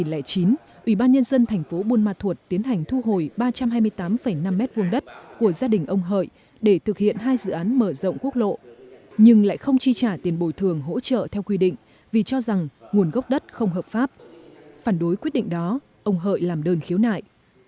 năm hai nghìn chín ủy ban nhân dân thành phố buôn ma thuột tiến hành thu hồi ba trăm hai mươi tám năm m hai đất của gia đình ông hợi để thực hiện hai dự án mở rộng quốc lộ nhưng lại không chi trả tiền bồi thường hỗ trợ theo quy định vì cho rằng nguồn gốc đất không hợp pháp phản đối quyết định đó ông hợi làm đơn khiếu nại